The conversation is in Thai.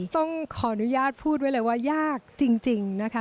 ต้องขออนุญาตพูดไว้เลยว่ายากจริงนะคะ